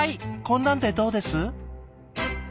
こんなんでどうです？